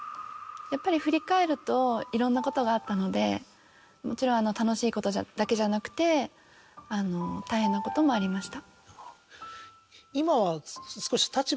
やっぱり振り返るといろんなことがあったのでもちろん楽しいことだけじゃなくて大変なこともありました。